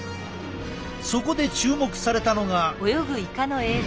そこで注目されたのが。